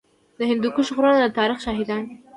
د هندوکش غرونه د تاریخ شاهدان دي